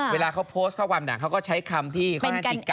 เวลาเขาโพสต์ข้อความหนังเขาก็ใช้คำที่ค่อนข้างจิกกา